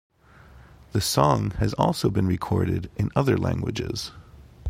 The song has also been recorded in other languages.